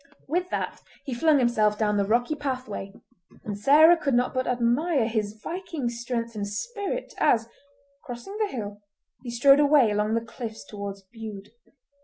With that he flung himself down the rocky pathway, and Sarah could not but admire his Viking strength and spirit, as, crossing the hill, he strode away along the cliffs towards Bude.